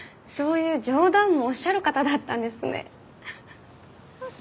そういう冗談をおっしゃる方だったんですね。